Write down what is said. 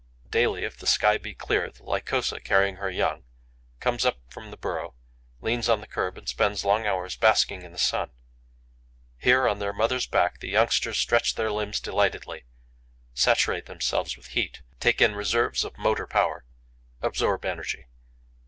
Daily, if the sky be clear, the Lycosa, carrying her young, comes up from the burrow, leans on the kerb and spends long hours basking in the sun. Here, on their mother's back, the youngsters stretch their limbs delightedly, saturate themselves with heat, take in reserves of motor power, absorb energy.